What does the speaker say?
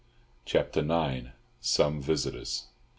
CHAPTER IX. SOME VISITORS.